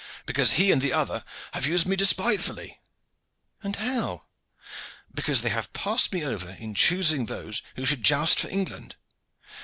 "Because he and the other have used me despitefully." "And how?" "Because they have passed me over in choosing those who should joust for England.